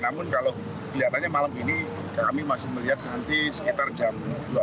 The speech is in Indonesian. namun kalau kelihatannya malam ini kami masih melihat nanti sekitar jam dua belas